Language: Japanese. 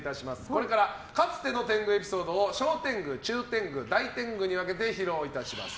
これからかつての天狗エピソードを小天狗、中天狗、大天狗に分けて披露いたします。